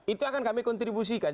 itu akan kami kontribusikan